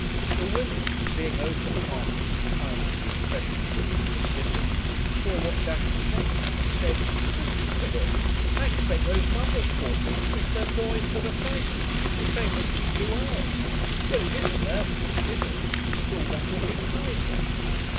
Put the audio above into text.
The women, being open hearted, kindly, impressionable, pacific, saw what Daphne meant, and said, 'To think of it! I expect those mothers, pore things, miss their boys that are fighting, the same as we do ours. Well, it isn't their fault, is it? it's all that wicked Keyser.'